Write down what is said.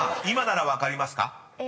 今なら分かりますか？］